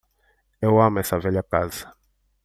Eu amo essa velha casa.